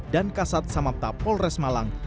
dan kasat samapta polres malang